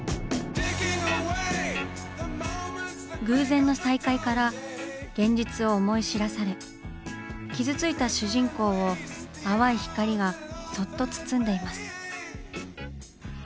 偶然の再会から現実を思い知らされ傷ついた主人公を淡い光がそっと包んでいます。